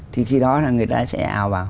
thì khi đó là người ta sẽ ào vào